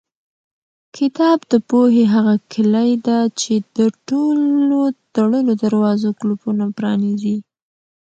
کتاب د پوهې هغه کلۍ ده چې د ټولو تړلو دروازو قلفونه پرانیزي.